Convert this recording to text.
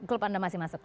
klub anda masih masuk